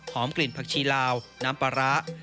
หอมกลิ่นผักชีลาวน้ำปลาร้ารสแทบ